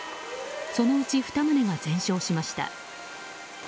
そのうち２棟が全焼しました。